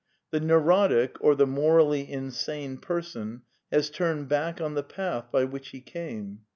The neurotic, or the morally insane person, has turned back on the path by which he came.